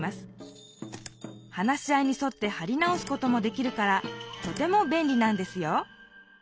話し合いにそってはり直すこともできるからとてもべんりなんですよ